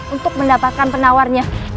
untuk mendapatkan penawarnya